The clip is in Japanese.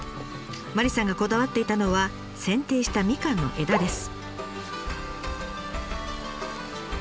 麻里さんがこだわっていたのはせん定したみかんの枝です。